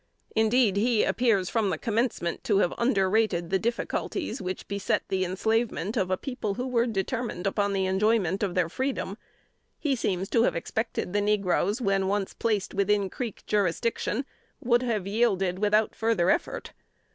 Indeed, he appears from the commencement to have under rated the difficulties which beset the enslavement of a people who were determined upon the enjoyment of freedom; he seems to have expected the negroes, when once placed within Creek jurisdiction, would have yielded without further effort.